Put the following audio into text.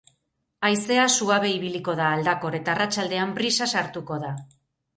Haizea suabe ibiliko da, aldakor, eta arratsaldean brisa sartuko da.